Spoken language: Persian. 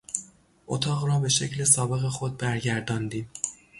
اتاق را به شکل سابق خود برگرداندیم.